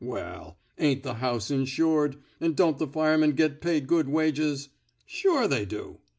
Well, ain't the house insured, an' don't the firemen get paid good wages! Sure, they do.